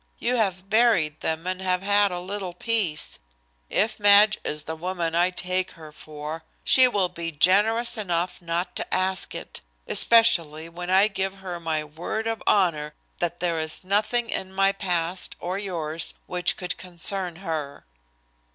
You have buried them and have had a little peace. If Madge is the woman I take her for she will be generous enough not to ask it, especially when I give her my word of honor that there is nothing in my past or yours which could concern her."